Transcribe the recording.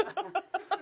ハハハハ！